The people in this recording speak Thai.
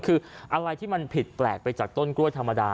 คืออะไรที่มันผิดแปลกไปจากต้นกล้วยธรรมดา